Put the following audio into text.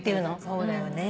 そうだよね。